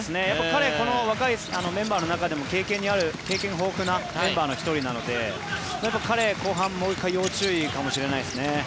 彼、この若いメンバーの中でも経験豊富なメンバーの１人なので彼、後半、もう１回要注意かもしれないですね。